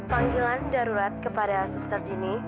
panggilan darurat kepada suster dini